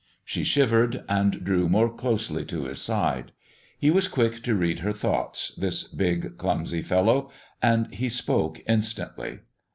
She shivered, and drew more closely to his side. He was quick to read her thoughts, this big, clumsy fellow, and he spoke instantly.